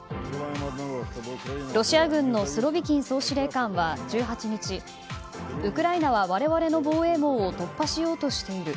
ロシア軍のスロビキン総司令官は１８日ウクライナは我々の防衛網を突破しようとしている。